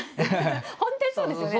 本当にそうですよね。